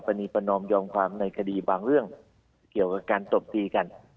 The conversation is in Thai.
ณีประนอมยอมความในคดีบางเรื่องเกี่ยวกับการตบตีกัน